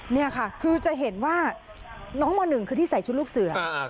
นี่ค่ะคือจะเห็นว่าน้องม๑คือที่ใส่ชุดลูกเสือ